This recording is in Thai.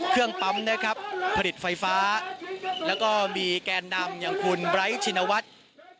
เครื่องปั๊มนะครับผลิตไฟฟ้าแล้วก็มีแกนนำอย่างคุณไบร์ทชินวัฒน์